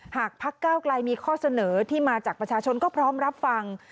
พักเก้าไกลมีข้อเสนอที่มาจากประชาชนก็พร้อมรับฟัง